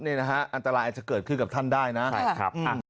อันตรายจะเกิดขึ้นกับท่านได้นะ